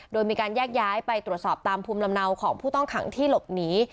โดยมีการแยกย้ายไปตรวจสอบตามภูมิลำเนาของผู้ต้องขังที่หลบหนี